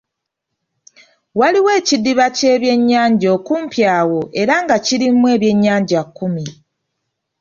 Waliwo ekidiba ky’eby'ennyanja okumpi awo era nga kirimu eby’ennyanja kkumi.